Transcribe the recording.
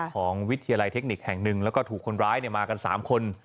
วิทยาลัยเทคนิคแห่งหนึ่งแล้วก็ถูกคนร้ายมากัน๓คน